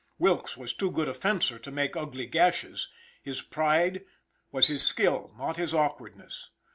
Wilkes was too good a fencer to make ugly gashes; his pride was his skill, not his awkwardness.